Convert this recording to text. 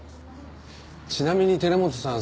ちなみに寺本さん